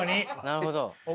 なるほど。